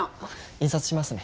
印刷しますね。